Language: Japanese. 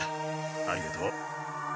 ありがとう。